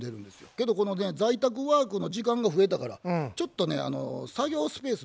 けど在宅ワークの時間が増えたからちょっとね作業スペース